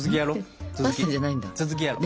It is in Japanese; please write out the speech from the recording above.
いや続きやろう。